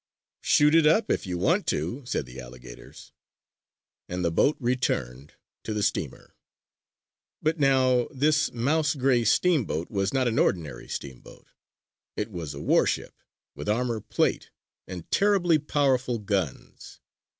"Shoot it up if you want to!" said the alligators. And the boat returned to the steamer. But now, this mouse gray steamboat was not an ordinary steamboat: it was a warship, with armor plate and terribly powerful guns.